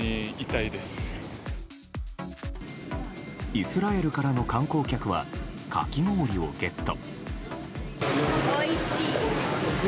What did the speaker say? イスラエルからの観光客はかき氷をゲット。